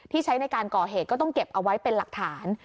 ใช้ในการก่อเหตุก็ต้องเก็บเอาไว้เป็นหลักฐาน